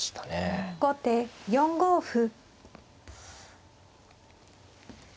後手４五歩。